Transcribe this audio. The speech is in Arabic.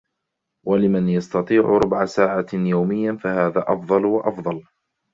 و لمن يستطيع ربع ساعة يوميا فهذا أفضل و أفضل